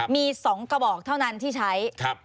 มี๒กระบอกเท่านั้นที่ใช้